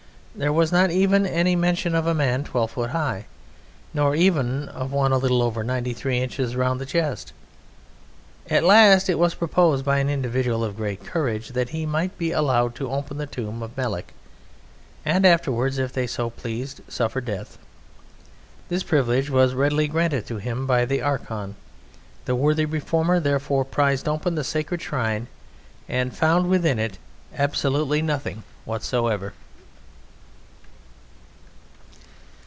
There was not even any mention of a man twelve foot high, nor even of one a little over 93 inches round the chest. At last it was proposed by an individual of great courage that he might be allowed to open the tomb of Melek and afterwards, if they so pleased, suffer death. This privilege was readily granted to him by the Archon. The worthy reformer, therefore, prised open the sacred shrine and found within it absolutely nothing whatsoever.